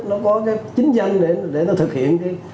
nó có cái chính danh để nó thực hiện